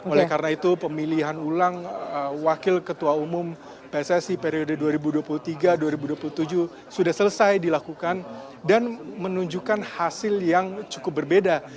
oleh karena itu pemilihan ulang wakil ketua umum pssi periode dua ribu dua puluh tiga dua ribu dua puluh tujuh sudah selesai dilakukan dan menunjukkan hasil yang cukup berbeda